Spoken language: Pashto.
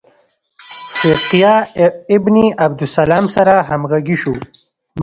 فقیه ابن عبدالسلام سره همغږي شو.